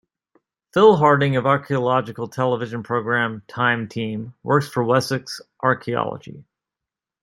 Phil Harding of archaeological television programme "Time Team" works for Wessex Archaeology.